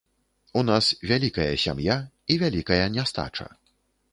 У нас вялікая сям'я і вялікая нястача.